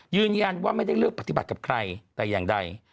ยืนยันว่าไม่ได้เลือกปฏิบัติกับใครแต่อย่างใด